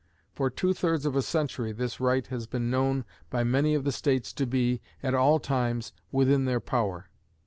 For two thirds of a century this right has been known by many of the States to be, at all times, within their power.